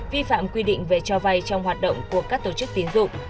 vi phạm quy định về cho vay trong hoạt động của các tổ chức tín dụng